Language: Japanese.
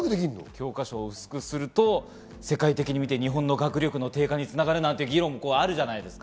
教科書を薄くすると世界的に見て日本の学力の低下に繋がるみたいな議論もあるじゃないですか。